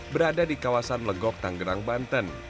berada di kawasan legok tanggerang banten